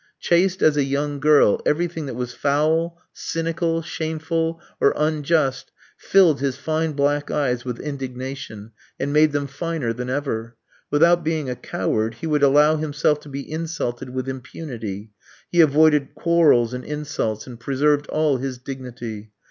Chaste as a young girl, everything that was foul, cynical, shameful, or unjust filled his fine black eyes with indignation, and made them finer than ever. Without being a coward, he would allow himself to be insulted with impunity. He avoided quarrels and insults, and preserved all his dignity.